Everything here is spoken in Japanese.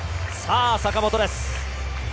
坂本です。